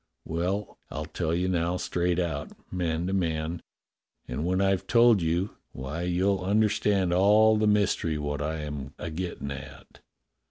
Well, I'll tell you now straight out, man to man, and when I've told you, why, you'll under 164 DOCTOR SYN stand all the mystery wot I'm a gettin' at."